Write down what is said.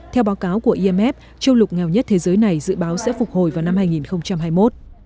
theo báo cáo của imf châu lục nghèo nhất thế giới này dự báo sẽ phục hồi vào năm hai nghìn hai mươi một